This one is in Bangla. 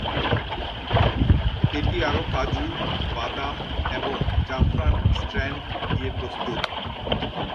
এটি আরও কাজু, বাদাম এবং জাফরান স্ট্র্যান্ড দিয়ে প্রস্তুত।